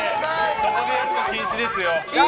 そこでやるの禁止ですよ。